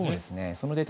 そのデータ